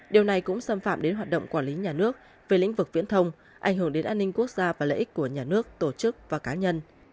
điều này cũng xâm phạm đến hoạt động quản lý nhà nước về lĩnh vực viễn thông ảnh hưởng đến an ninh quốc gia và lợi ích của nhà nước tổ chức và cá nhân